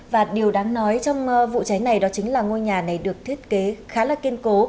và điều đáng nói trong vụ cháy này đó chính là ngôi nhà này được thiết kế khá là kiên cố